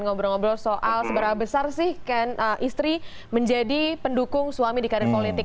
ngobrol ngobrol soal seberapa besar sih ken istri menjadi pendukung suami di karir politik